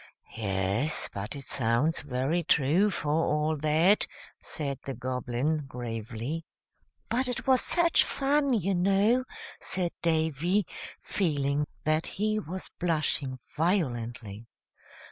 "Yes; but it sounds very true, for all that," said the Goblin, gravely. "But it was such fun, you know," said Davy, feeling that he was blushing violently.